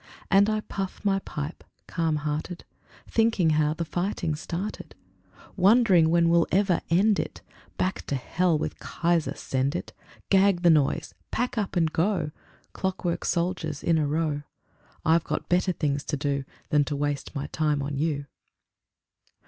And I puff my pipe, calm hearted, Thinking how the fighting started, Wondering when we'll ever end it, Back to Hell with Kaiser send it, Gag the noise, pack up and go, Clockwork soldiers in a row. I've got better things to do Than to waste my time on you.